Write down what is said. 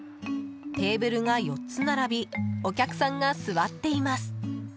テーブルが４つ並びお客さんが座っています。